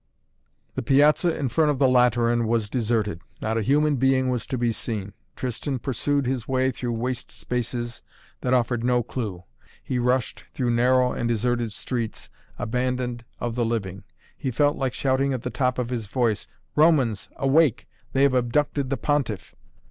The Piazza in front of the Lateran was deserted. Not a human being was to be seen. Tristan pursued his way through waste spaces that offered no clue. He rushed through narrow and deserted streets, abandoned of the living. He felt like shouting at the top of his voice: "Romans awake! They have abducted the Pontiff."